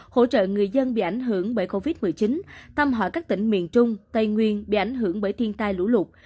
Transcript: hỗ trợ người dân bị ảnh hưởng bởi covid một mươi chín thăm hỏi các tỉnh miền trung tây nguyên bị ảnh hưởng bởi thiên tai lũ lụt